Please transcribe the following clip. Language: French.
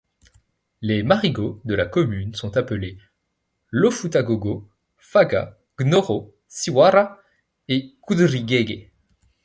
Les marigots de la commune sont appelés Lofoutagogo, Faga, Gnoro, Siwara et Koudriguèguè.